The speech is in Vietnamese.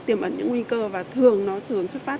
tiềm ẩn những nguy cơ và thường nó thường xuất phát